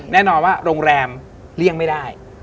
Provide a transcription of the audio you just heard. แน่นอนว่าโรงแรมเลี่ยงไม่ได้